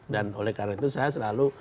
dan oleh karena itu saya selalu